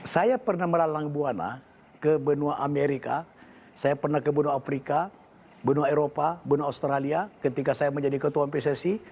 saya pernah melarang buana ke benua amerika saya pernah ke benua afrika benua eropa benua australia ketika saya menjadi ketua pssi